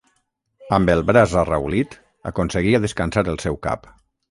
Amb el braç arraulit, aconseguia descansar el seu cap.